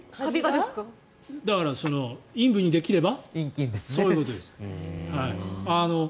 だから、陰部にできれば？